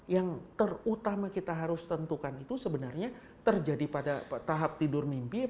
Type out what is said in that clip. yang terutama kita harus tentukan itu sebenarnya terjadi pada tahap tidur mimpi